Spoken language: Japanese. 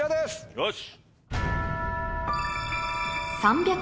よし！